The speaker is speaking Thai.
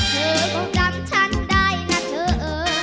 เธอก็จำฉันได้นะเธอ